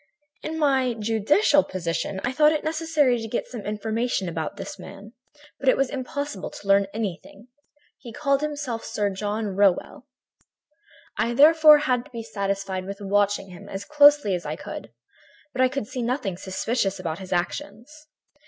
"In my judicial position I thought it necessary to get some information about this man, but it was impossible to learn anything. He called himself Sir John Rowell. "I therefore had to be satisfied with watching him as closely as I could, but I could see nothing suspicious about his actions.